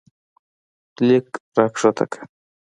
لیک راښکته کړه